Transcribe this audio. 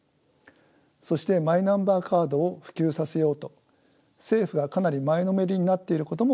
そしてマイナンバーカードを普及させようと政府がかなり前のめりになっていることも気がかりです。